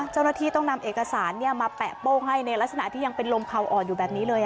เจ้าหน้าที่ต้องนำเอกสารมาแปะโป้งให้ในลักษณะที่ยังเป็นลมเขาอ่อนอยู่แบบนี้เลย